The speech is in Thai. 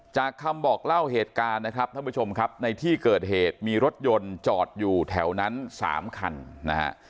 จากคำบอกเล่าเหตุการณ์นะครับท่านผู้ชมครับในที่เกิดเหตุมีรถยนต์จอดอยู่แถวนั้น๓คันนะฮะ